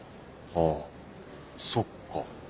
あそっか。